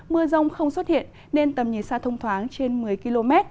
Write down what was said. mưa rông không xuất hiện nên tầm nhìn xa thông thoáng trên một mươi km